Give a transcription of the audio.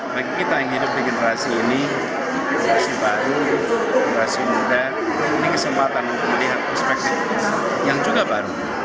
bagi kita yang hidup di generasi ini generasi baru generasi muda ini kesempatan untuk melihat perspektif yang juga baru